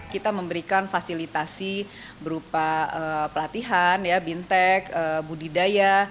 kita memberikan fasilitasi berupa pelatihan bintek budidaya